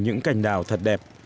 những cảnh đảo thật đẹp